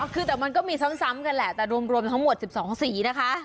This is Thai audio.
คือแต่มันก็มีซ้ำกันแหละแต่รวมทั้งหมด๑๒สีนะคะ